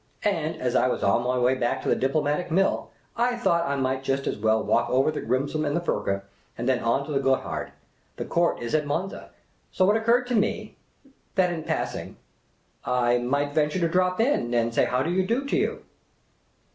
And, as I was on my way back to the diplomatic mill, I thought I might just as well walk over the Grimsel and the Furca, and then on to the Gothard. The Court is at Monza. So it occurred to me ... that in passing ... I might venture to drop in and say how do you do to you."